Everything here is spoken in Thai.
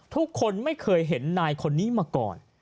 ทุกคนไม่เคยเห็นนายคนนี้มาก่อน